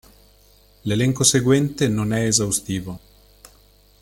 L'elenco seguente non è esaustivo.